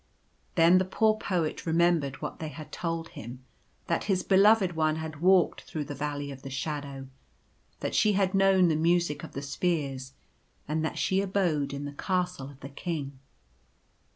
Then the poor Poet remembered what they had told him ; that his Beloved One had walked through the Valley of the Shadow, that she had known the Music of the Spheres, and that she abode in the Castle of the King.